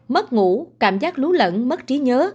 mất ngủ cảm giác lú lẫn mất trí nhớ